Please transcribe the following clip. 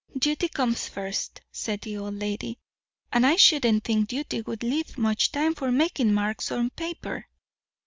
"Duty comes first," said the old lady; "and I shouldn't think duty would leave much time for making marks on paper."